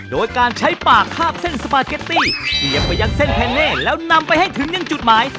โดยการใช้ปากคาบเส้นสปาเกตตี้เสียบไปยังเส้นแพนเน่แล้วนำไปให้ถึงยังจุดหมาย